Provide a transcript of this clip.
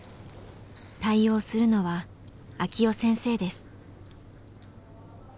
対応するのは晃生先生です。